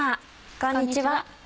こんにちは。